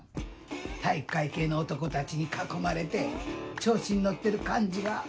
体育会系の男たちに囲まれて調子に乗ってる感じが。